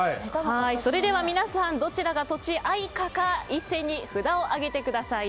それでは皆さんどちらが、とちあいかか一斉に札を上げてください。